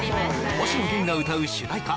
星野源が歌う主題歌